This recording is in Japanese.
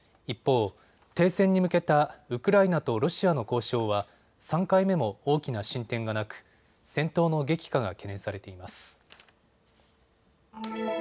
一方、停戦に向けたウクライナとロシアの交渉は３回目も大きな進展がなく戦闘の激化が懸念されています。